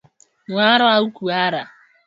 Mharo au kuhara